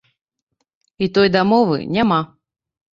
І той дамовы няма.